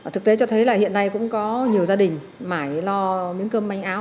thực tế cho thấy hiện nay cũng có nhiều gia đình mãi lo miếng cơm bánh áo